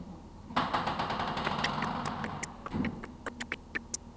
Russian was widely spoken in the village for years.